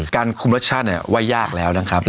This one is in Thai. การคุมรสชาติว่ายากแล้วนะครับ